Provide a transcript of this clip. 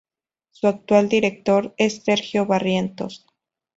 Su actual director es Sergio Barrientos.